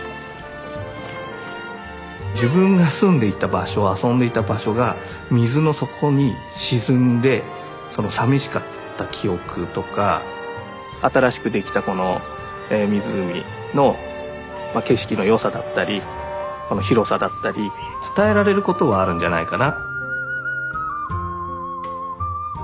自分が住んでいた場所遊んでいた場所が水の底に沈んでさみしかった記憶とか新しく出来たこの湖の景色の良さだったり広さだったり伝えられることはあるんじゃないかな。